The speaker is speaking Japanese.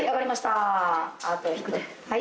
はい。